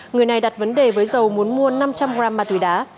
người này đặt vấn đề với dầu muốn mua năm trăm linh gram ma túy đá